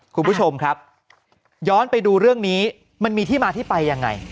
คุณผู้ชมครับย้อนไปดูเรื่องนี้มันมีที่มาที่ไปยังไง